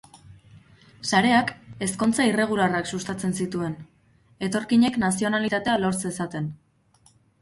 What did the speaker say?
Sareak ezkontza irregularrak sustatzen zituen, etorkinek nazionalitatea lor zezaten.